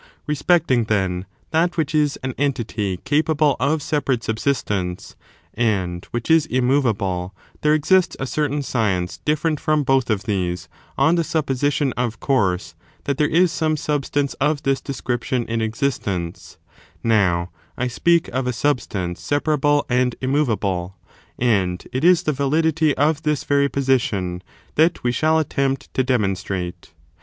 Bespecting, then, that which is an entity capable of separate subsistence, and which is immovable, there exists a certain science different from both of these, on the supposition, of course, that there is some substance of this description in existence — now, I speak of a substance separ able and immovable; and it is the validity of this very position that we shall attempt to demonstrate.